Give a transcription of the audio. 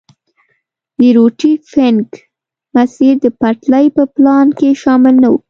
د روټي فنک مسیر د پټلۍ په پلان کې شامل نه وو.